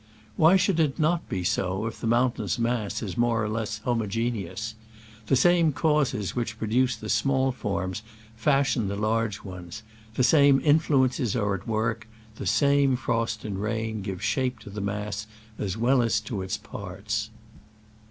Why should it not be so if the mountain's mass is more or less homo geneous ? The same causes which pro duce the small forms fashion the large ones : the same influences are at work — the same frost and rain give shape to the mass as well as to its parts.